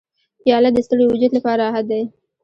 پیاله د ستړي وجود لپاره راحت دی.